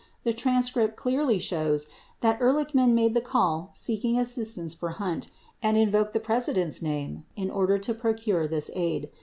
The transcript clearly shows that Ehrlichman made the call seeking assistance for Hunt, and invoked the President's name in order to procure this aid.